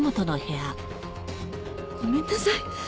ごめんなさい。